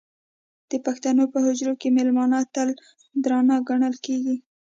د پښتنو په حجرو کې مېلمانه تل درانه ګڼل کېږي.